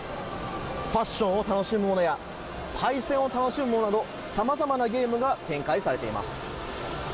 ファッションを楽しむものや対戦を楽しむものなどさまざまなゲームが展開されています。